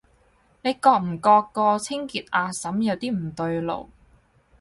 你覺唔覺個清潔阿嬸有啲唔對路？